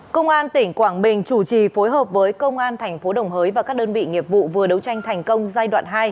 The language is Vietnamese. công an tỉnh quảng bình chủ trì phối hợp với công an thành phố đồng hới và các đơn vị nghiệp vụ vừa đấu tranh thành công giai đoạn hai